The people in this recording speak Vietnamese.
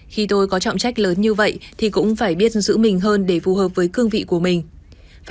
khi tôi có trọng trách lớn như vậy thì cũng phải biết giữ mình hơn để phù hợp với cương vị của mình